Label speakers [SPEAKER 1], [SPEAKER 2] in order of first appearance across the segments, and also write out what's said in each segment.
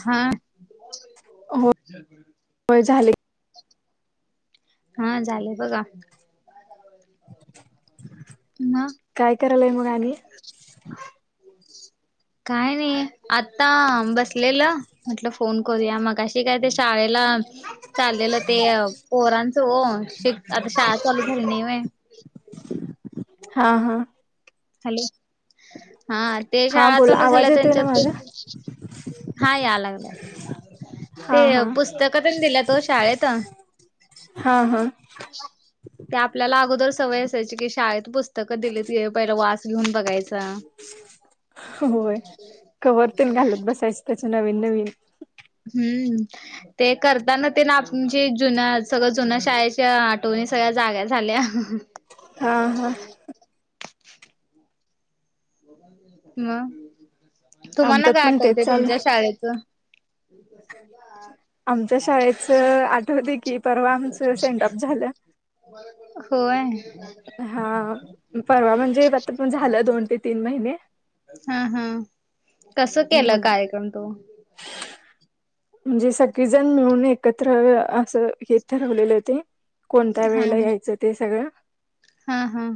[SPEAKER 1] हा
[SPEAKER 2] होय झाले
[SPEAKER 1] हा झाले बघा ना
[SPEAKER 2] काय करायलाय मग आणि
[SPEAKER 1] काय नाही आता बस येला म्हटल फोन करूया मगाशी काय ते शाळेला चाललेलं ते पोरांचं हो ते क आता शाळा चालू झाली नाही व्हय
[SPEAKER 2] हा हा
[SPEAKER 1] हॅलो हा ते
[SPEAKER 2] हा
[SPEAKER 1] शाळा
[SPEAKER 2] बोला
[SPEAKER 1] चालू
[SPEAKER 2] आवाज
[SPEAKER 1] झाल्या
[SPEAKER 2] येतोय ना
[SPEAKER 1] त्यांच्यात.
[SPEAKER 2] माझा
[SPEAKER 1] हा या लागलं. ते
[SPEAKER 2] हा हा
[SPEAKER 1] पुस्तक त्यां दिल्या तो शाळेत.
[SPEAKER 2] हा हा
[SPEAKER 1] ते आपल्याला अगोदर सवय असायची की शाळेत पुस्त तक ते दिली पहिल वास घेऊन बघाचं
[SPEAKER 2] होय कवरतून घालत बसायच नविन नविन
[SPEAKER 1] हम्म ते करताना ते ना आमची जुन्या सगळं जुन्या शाळेच्या आठवणी सगळ्या जाग्या झाल्या.
[SPEAKER 2] हा हा
[SPEAKER 1] [unintelligible] [unintelligible] हा तुम्हाना
[SPEAKER 2] आमच्यात
[SPEAKER 1] काय
[SPEAKER 2] पण तेच
[SPEAKER 1] आठवते
[SPEAKER 2] चालू
[SPEAKER 1] तुमच्या
[SPEAKER 2] आहे.
[SPEAKER 1] शाळेचं? म कसग
[SPEAKER 2] आमच्या शाळेच आठवत की परवा आमचं सेंडऑफ झालं
[SPEAKER 1] होय
[SPEAKER 2] हा परवा म्हणजे आता पण झालं दोन ते तीन महिने
[SPEAKER 1] हा हा कसं केलं काय
[SPEAKER 2] म्हणजे
[SPEAKER 1] करण तू
[SPEAKER 2] म्हणजे सगळीजण मिळून एकत्र असं हे ठरवलेले होते कोणत्या
[SPEAKER 1] हा
[SPEAKER 2] वेळेला
[SPEAKER 1] हा
[SPEAKER 2] यायचं ते सगळं
[SPEAKER 1] हा हा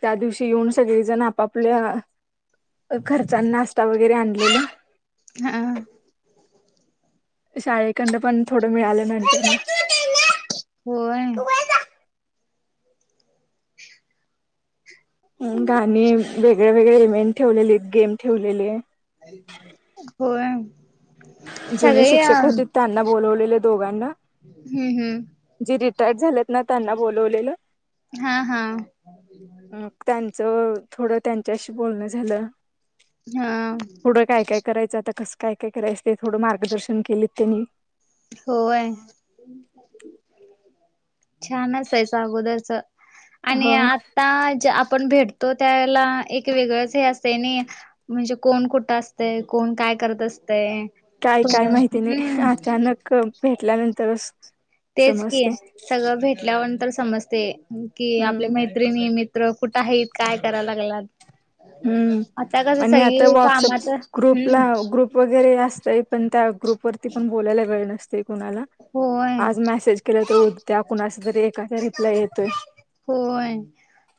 [SPEAKER 2] त्या दिवशी येऊन सगळेजण आपापल्या खर्चा नाश्ता वगैरे आणलेला
[SPEAKER 1] हा
[SPEAKER 2] शाळेखंड पण थोडं मिळालं नंतर म
[SPEAKER 1] हो ना
[SPEAKER 2] गाणी वेगळे वेगळे इव्हेंट ठेवलेले गेम ठेवलेले
[SPEAKER 1] का [unintelligible] हो
[SPEAKER 2] जुने शिक्षक होते त्यांना बोलवले त्या दोघानां,
[SPEAKER 1] हम्म हम्म.
[SPEAKER 2] जी रिटायर्ड झालेत ना त्यांना बोलवलेलं
[SPEAKER 1] हा हा,
[SPEAKER 2] च थोडं त्यांच्याशी बोलणं झालं,
[SPEAKER 1] हा
[SPEAKER 2] पुढं काय काय करायचं आता कसं, काय काय करायचं थोडं मार्गदर्शन केलीत त्यांनी
[SPEAKER 1] होय छानच आहे अगोदरच आणि
[SPEAKER 2] ह
[SPEAKER 1] आता, आपण भेटतो त्याला एक वेगळंच हे असतंय ना म्हणजे कोण कुठं असत कोण काय करत असतयं
[SPEAKER 2] काय काय माहिती नाही अचानक भेटल्यानंतर
[SPEAKER 1] तेच की सगळं भेटल्यावर तर समजतय कि
[SPEAKER 2] हम्म
[SPEAKER 1] आपल्या मैत्रींणी नियमित मगं कुठे आहे काय करायला लागलात?
[SPEAKER 2] हम्म
[SPEAKER 1] आता कस
[SPEAKER 2] आणि आता
[SPEAKER 1] सगळीं काम
[SPEAKER 2] व्हॉट्सअप
[SPEAKER 1] च
[SPEAKER 2] ग्रुपला
[SPEAKER 1] हम्म
[SPEAKER 2] ग्रुप वगैरे असतय पण त्या ग्रुप वरती पण बोलायला वेळ नसतो कुणाला
[SPEAKER 1] होय
[SPEAKER 2] आज मेसेज केला त त्या कुणाशी तरी काय रिप्लाय येतोय?
[SPEAKER 1] होय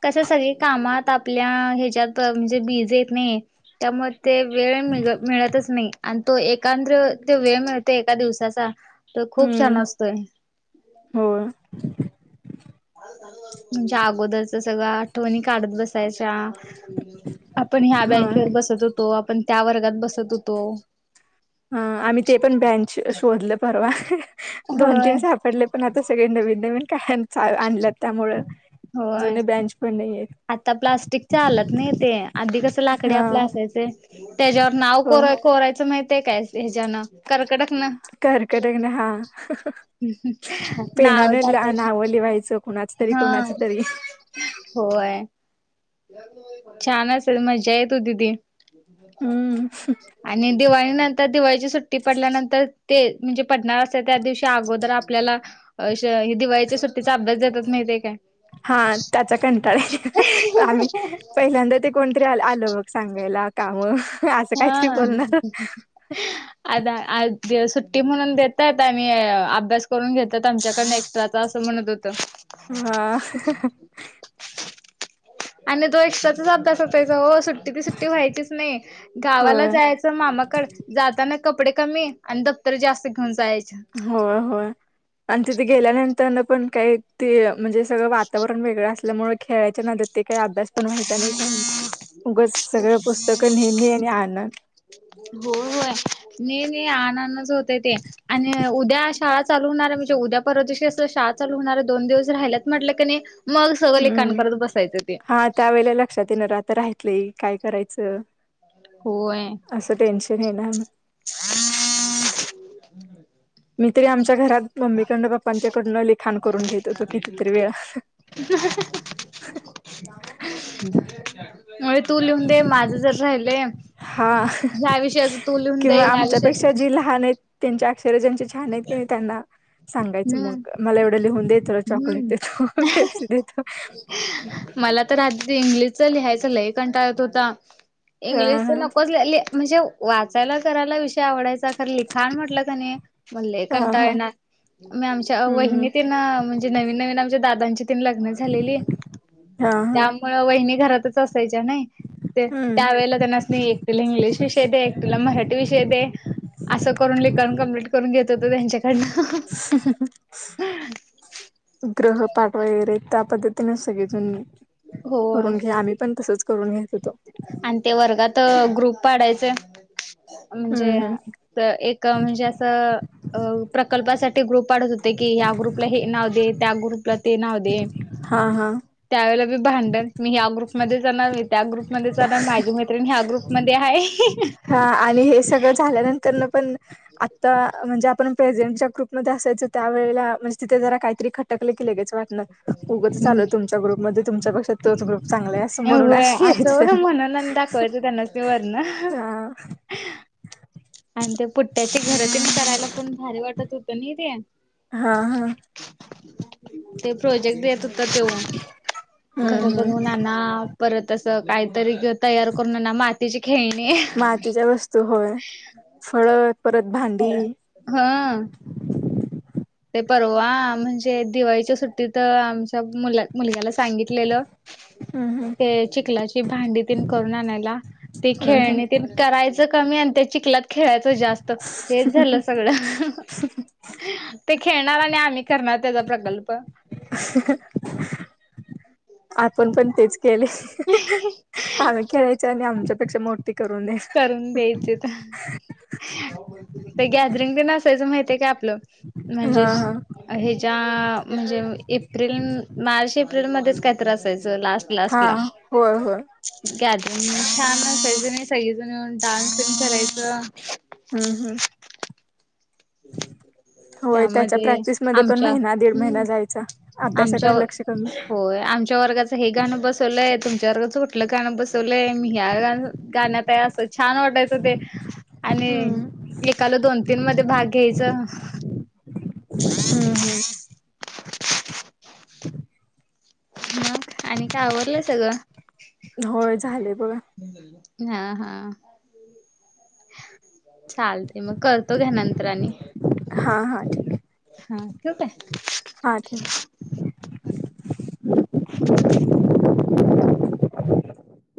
[SPEAKER 1] कसं सगळी कामात आपल्या ह्याच्यात म्हणजे बीज हाय की नाय त्यामध्ये वेळ मि मिळतच नाही आणि तो एकांत्र ते वेळ मिळतो एका दिवसाचा तर खूप
[SPEAKER 2] हम्म.
[SPEAKER 1] छान असतोय
[SPEAKER 2] होय
[SPEAKER 1] म्हणजे अगोदरचं सगळं आठवणी काढत बसायच्या? आपण ह्या
[SPEAKER 2] होय
[SPEAKER 1] बेंचवर बसत होतो पण त्या वर्गात बसत होतो,
[SPEAKER 2] हा आम्ही ते पण बँच शोधलं परवा, दोन
[SPEAKER 1] होय
[SPEAKER 2] तीन सापडले पण आता सगळे नवीन नवीन [inaudible] आणल्या त्यामुळं
[SPEAKER 1] होय
[SPEAKER 2] जुने बँच पण नाही आहेत,
[SPEAKER 1] आता प्लास्टिकच्या चालत नाही, ते आधी कसं लाकडी
[SPEAKER 2] हा
[SPEAKER 1] आपले असायचे त्याच्यावर नाव को
[SPEAKER 2] हो
[SPEAKER 1] कोरायचं तुला माहिती काय होतं याच्यान? कार
[SPEAKER 2] करकट ना हा
[SPEAKER 1] नाव
[SPEAKER 2] पेनानं
[SPEAKER 1] टाकायचं
[SPEAKER 2] नावं लिवायचं कुणाचं तरी
[SPEAKER 1] हा
[SPEAKER 2] कुणाचं तरी.
[SPEAKER 1] होय छान असेल मज्जा येत होती ती.
[SPEAKER 2] हम्म
[SPEAKER 1] आणि दिवाळी नंतर दिवाळीची सुट्टी पडल्यानंतर, ते म्हणजे पडणार असेल त्या दिवशी अगोदर आपल्याला अ श दिवाळीच्या सुट्टीचा अभ्यास देतात, माहितीय काय?
[SPEAKER 2] हा त्याचा कंटाळा. आम्ही पहिल्यांदा ते कोणतरी
[SPEAKER 1] [unintelligible]
[SPEAKER 2] आलं मग सांगायला कामं. असं काहीतरी
[SPEAKER 1] हं.
[SPEAKER 2] बोलणार.
[SPEAKER 1] आता आज की, सुट्टी म्हणून देतात आणि अभ्यास करून घेतात आमच्याकडनं एक्स्ट्राचा असं म्हणत होती.
[SPEAKER 2] हा.
[SPEAKER 1] आणि तो एक्स्ट्राच चाच अभ्यास असायचा हो. सुट्टी ती सुट्टी व्हायचीच नाही. गावाला
[SPEAKER 2] होय.
[SPEAKER 1] जायचं, मामाकड जाताना ना कपडे कमी अन दप्तर जास्त घेऊन जायचे
[SPEAKER 2] होय. होय. आणि तिथं गेल्यानंत तरन पण काय ते म्हणजे सगळं वातावरण वेगळं अस ल्यामुळे खेळायच्या नादात ते काही अभ्यास पण व्हायचा नाही काही नाही. उगच सगळं पुस्तकं ने ने आणि आण आण.
[SPEAKER 1] हो होय. ने ने आण आणच च होते ते. आणि उद्या शा चालू होणार. म्हणजे उद्या परवा दिवशी असं शाळा चालू होणार आहे. दोन दिवस राहिलत म्हटलं की नही मग सगळं लेखण
[SPEAKER 2] हं.
[SPEAKER 1] करत बसायचं ते.
[SPEAKER 2] राहतलं काय करायचं?
[SPEAKER 1] होय
[SPEAKER 2] असं टेन्शन येणार ना.
[SPEAKER 1] [inaudible]
[SPEAKER 2] मी तरी आमच्या घरात मम्मिकडन पप्पांच्या कडन लिखाण करून घेत होतो कितीतरी वेळा.
[SPEAKER 1] म्हणजे तू लिहून दे माझं जर राहिलय
[SPEAKER 2] हा
[SPEAKER 1] ह्या विषयाच तू लिहून दे
[SPEAKER 2] किंवा
[SPEAKER 1] ह्या विषयाच
[SPEAKER 2] आमच्यापेक्षा जे लहान आहेत, त्यांच्या अक्षर छान आहे की नही त्यांना सांगायचं
[SPEAKER 1] हम्म
[SPEAKER 2] मग. मला एवढ [unintelligible] देतो चॉकलेट
[SPEAKER 1] हम्म
[SPEAKER 2] देतो पेप्सी देत
[SPEAKER 1] मला तर आधी इंग्लिशच लिहायचं ल हे कंटाळत होता
[SPEAKER 2] हा
[SPEAKER 1] इंग्लिश
[SPEAKER 2] हा
[SPEAKER 1] नको म्हणजे वाचायला करायला विषय आवडायचा खर लिखाण म्हटलं कनी म्हणले
[SPEAKER 2] हा
[SPEAKER 1] कणताा
[SPEAKER 2] हा
[SPEAKER 1] ये ना मी आमच्या
[SPEAKER 2] हम्म हम्म
[SPEAKER 1] वहिनी त नवीन नवीन आमच्या दाां लग्न झालेली
[SPEAKER 2] हा हा
[SPEAKER 1] त्यामुळे वहिनी घरातच अस सज नाही ते
[SPEAKER 2] हम्म
[SPEAKER 1] त्यावेेळेला त्यांनाच नाही एकटीला इंग्लिश विषय दे एकटीला मराठी विषय दे असं करून लेखन कंप्लीट करून घेत होत त्यांच्याकडन
[SPEAKER 2] [unintelligible] ग्रह पाठ वगैरे त्या पद्धतीने सग जुूननी
[SPEAKER 1] होय
[SPEAKER 2] करून घ्या आम्ही पण तसच करून हे
[SPEAKER 1] आणि ते वर्गात ग्रुप पाडायच म्हणजे
[SPEAKER 2] हम्म हम्म
[SPEAKER 1] एक म्हणजे असं अ प्रकल्पासाठी ग्रुप काढत होते की ह्या ग्रुपला हे नाव दे त्या ग्रुपला ते नाव दे
[SPEAKER 2] हा हा
[SPEAKER 1] त्यावेळेला भांडण मी या ग्रुप मध्ये जाणार मी त्या ग्रुप मध्ये जाणार म्हणजे आता माझी मैत्रीण या ग्रुप मध्ये मध्ये आहे
[SPEAKER 2] हा आणि हे सगळं झाल्यानंतर न पण आता म्हणजे आपण प्रेझेंट च्या ग्रुपमध्येध्ये असायच त्यावेळेला म्हणजे तिथे जरा काहीतरी खटकलं केलं लगेच भांडण उगाचच आलोय तुमच्या ग्रुपमध्ये तुमच्या पेक्षा तोच चांगला आहे असं म्हणून
[SPEAKER 1] होय
[SPEAKER 2] अशी यायची
[SPEAKER 1] असं
[SPEAKER 2] त्यांना
[SPEAKER 1] म्हणून दाखवायचं त्यांना वरण [unintelligible]
[SPEAKER 2] हा
[SPEAKER 1] आणि ते पुट्ट्याचे घर तेन करायला पण भारी वाटत होतं ना ते
[SPEAKER 2] हा हा
[SPEAKER 1] ह ते प्रोजेक्ट देत होता त्यो
[SPEAKER 2] हम्म
[SPEAKER 1] घर
[SPEAKER 2] हम्म
[SPEAKER 1] बनवून आणा परत अस काही तरी तयार करून आणा मातीची खेळणी
[SPEAKER 2] मातीच्या वस्तू होय फळ आठ परत भांडी
[SPEAKER 1] ह ते परवा म्हणजे दिवाळीच्या सुट्टी त आमच्या मु मुलग्याला सांगितलेलं ते चिखलाची भांडी तेन करून आणायला ते
[SPEAKER 2] हम्म हम्म
[SPEAKER 1] खेळणी करायच कमी त्या चिकलात खेळतच त जास्त हेच झालं सगळं खेळणार आणि आम्ही करणार त्याचा प्रकल्प
[SPEAKER 2] आपण पण तेच केले आम्ही खेळायच आणि आमच्या पेक्षा मोठी करून दे
[SPEAKER 1] करून द्यायचे तर ते गॅदरिंग तेन असायचं माहितीय का आपलं म्हणजे
[SPEAKER 2] हा हा
[SPEAKER 1] हेच्या म्हणजे एप्रिल मार्च एप्रिल मध्येच कायतर असायचं लास्ट
[SPEAKER 2] हा
[SPEAKER 1] लास्ट ला
[SPEAKER 2] होय होय
[SPEAKER 1] छान असायचं सगळीजन येऊन डान्स तेन करायचं
[SPEAKER 2] हम्म हम्म
[SPEAKER 1] हम्
[SPEAKER 2] होय त्याच्या प्रॅक्टिसमध्ये पण महिना दीड महिना
[SPEAKER 1] हम्म
[SPEAKER 2] जायचा
[SPEAKER 1] आमच्या
[SPEAKER 2] अभ्यासाकडे लक्ष कमी.
[SPEAKER 1] होय आमच्या वर्गाच हे गाणं बसवलं तुमचा वर्गाचा कोणता गाणं बसवले मी ह्या गाण्यात आहे अस छान वाटायचं ते आणि
[SPEAKER 2] हम्म
[SPEAKER 1] एकाला दोन तीन मध्ये भाग घ्यायच.
[SPEAKER 2] हम्म हम्म. [unintelligible]
[SPEAKER 1] मग आणि काय आवरडलं सगळं.
[SPEAKER 2] होय झाले बघा
[SPEAKER 1] हा हा चालते मग करतो घ्या नंतर आणि
[SPEAKER 2] हा हा ठीक आहे.
[SPEAKER 1] ठेऊ
[SPEAKER 2] हा ठेव.
[SPEAKER 1] काय
[SPEAKER 2] [unintelligible]